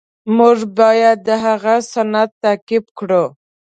مونږ باید د هغه سنت تعقیب کړو.